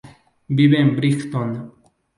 Vive en Brighton.